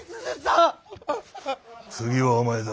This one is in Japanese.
次はお前だ。